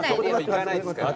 行かないですから。